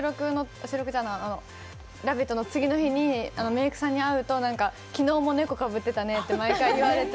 「ラヴィット！」の次の日にメークさんに会うと昨日も猫かぶってたねって毎回言われて。